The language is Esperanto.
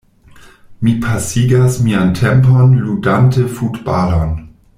Mi pasigas mian tempon ludante futbalon.